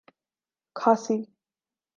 کھاسی